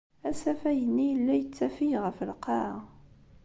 Asafag-nni yella yettafeg ɣef lqaɛa.